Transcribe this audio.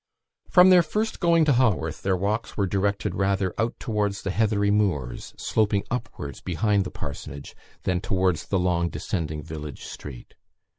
From their first going to Haworth, their walks were directed rather out towards the heathery moors, sloping upwards behind the parsonage, than towards the long descending village street.